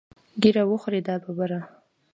ږیره وخورې دا ببره.